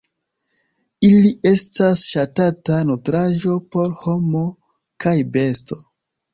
Ili estas ŝatata nutraĵo por homo kaj besto.